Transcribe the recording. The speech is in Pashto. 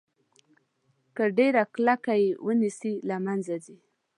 که ډیره کلکه یې ونیسئ له منځه ځي.